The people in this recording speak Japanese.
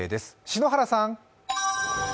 篠原さん。